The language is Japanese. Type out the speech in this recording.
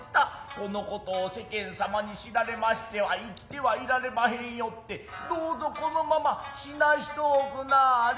このことを世間様に知られましては生きてはいられまへんよってどうぞこのまま死なしとおくなはれ。